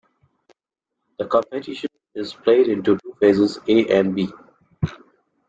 The competition is played into two phases A and B.